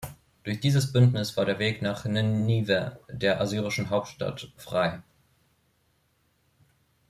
Durch dieses Bündnis war der Weg nach Ninive, der assyrischen Hauptstadt, frei.